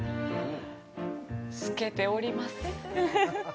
透けております。